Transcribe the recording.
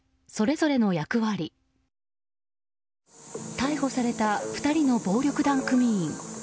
逮捕された２人の暴力団組員。